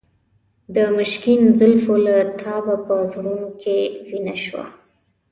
د مشکین زلفو له تابه په زړونو کې وینه شوه.